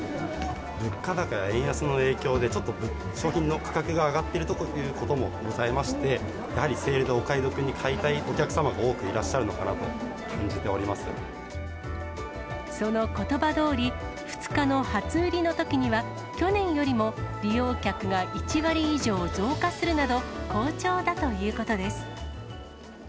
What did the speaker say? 物価高、円安の影響で、ちょっと商品の価格が上がっているということもございまして、やはりセールで、お買い得で買いたいお客様が多くいらっしゃるのそのことばどおり、２日の初売りのときには、去年よりも利用客が１割以上増加するなど、好調だということです。